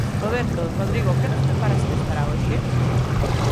Roberto, Rodrigo que nos preparastes para hoxe?